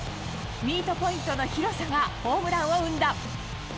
ミートポイントの広さがホームランを生んだ。